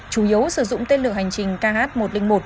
chủ yếu sử dụng tên lửa hành trình kh một trăm linh một